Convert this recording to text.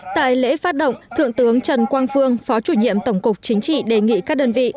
tại lễ phát động thượng tướng trần quang phương phó chủ nhiệm tổng cục chính trị đề nghị các đơn vị